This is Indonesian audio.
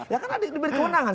ya kan ada yang diberi kewenangan